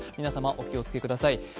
皆様お気を付けください。